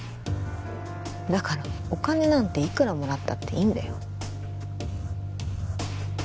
だからお金なんていくらもらったっていいんだよ